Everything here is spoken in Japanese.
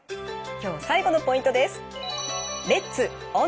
今日最後のポイントです。